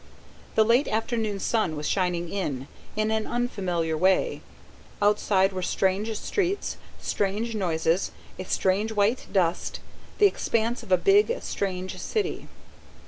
The late afternoon sun was shining in, in an unfamiliar way; outside were strange streets, strange noises, a strange white dust, the expanse of a big, strange city.